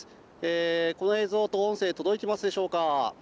この映像と音声届いてますでしょうか？